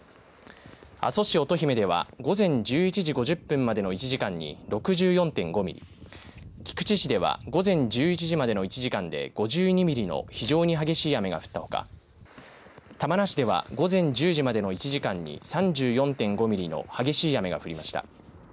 阿蘇市乙姫では午前１１時５０分までの１時間に６４．５ミリ菊池市では午前１１時までの１時間で５２ミリの非常に激しい雨が降ったほか玉名市では午前１０時までの１時間に３４．５ミリの激しい雨が降りました。